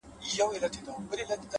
هوډ د ستونزو تر شا رڼا ویني؛